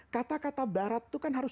kata kata barat itu kan harus